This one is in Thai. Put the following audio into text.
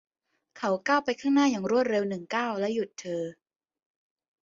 เขาก้าวไปข้างหน้าอย่างรวดเร็วหนึ่งก้าวและหยุดเธอ